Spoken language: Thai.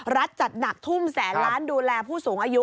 จัดหนักทุ่มแสนล้านดูแลผู้สูงอายุ